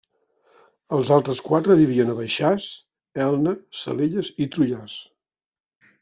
Els altres quatre vivien a Baixàs, Elna, Salelles i Trullars.